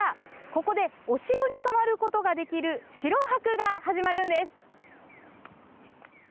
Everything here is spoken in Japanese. ここでお城に泊まることができる城泊が始まるんです。